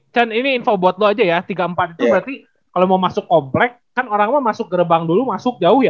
tan ini info buat lu aja ya tiga puluh empat itu berarti kalo mau masuk komplek kan orang emang masuk gerebang dulu masuk jauh ya